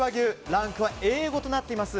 ランクはＡ５となっています。